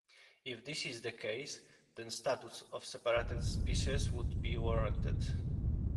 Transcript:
If this is the case, then status as separate species would be warranted.